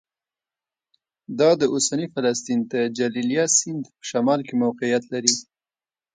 دا د اوسني فلسطین د جلیلیه سیند په شمال کې موقعیت لري